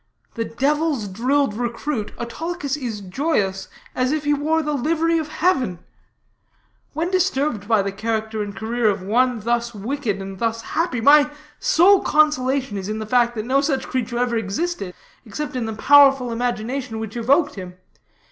The devil's drilled recruit, Autolycus is joyous as if he wore the livery of heaven. When disturbed by the character and career of one thus wicked and thus happy, my sole consolation is in the fact that no such creature ever existed, except in the powerful imagination which evoked him.